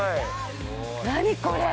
何これ。